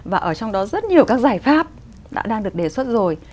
và ở trong đó rất nhiều các giải pháp đã đang được đề xuất rồi